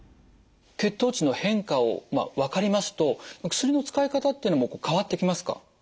血糖値の変化をまあ分かりますと薬の使い方っていうのもこう変わってきますか？